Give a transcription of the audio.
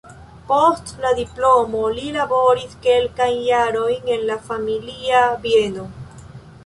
Post la diplomo li laboris kelkajn jarojn en la familia bieno.